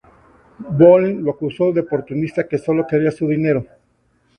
Bohlen lo acusó de oportunista que solo quería su dinero.